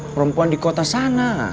perempuan di kota sana